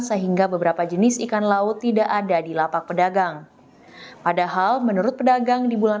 sehingga beberapa jenis ikan laut tidak ada di lapak pedagang padahal menurut pedagang di bulan